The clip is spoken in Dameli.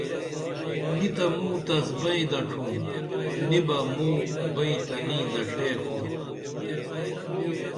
نِیتہ موں تس بئیں دڇُھم نی بہ موں بئیں تنی دڇھے خو